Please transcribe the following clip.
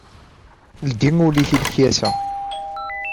Ldi ul-ik i lekyasa.